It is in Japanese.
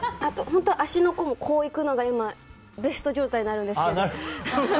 本当は足の甲も、こういくのが今、ベスト状態に鳴るんですよ。